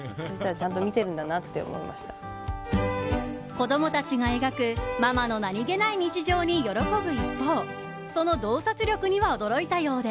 子供たちが描くママの何気ない日常に喜ぶ一方その洞察力には驚いたようで。